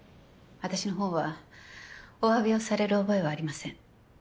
私の方はおわびをされる覚えはありません。